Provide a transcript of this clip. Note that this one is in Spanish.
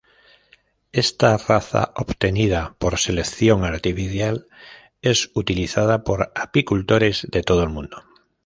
Esta raza obtenida por selección artificial es utilizada por apicultores de todo el mundo.